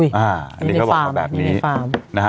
ฮฮอ่าลาอันนี้ก็บอกกันแบบนี้นะฮะ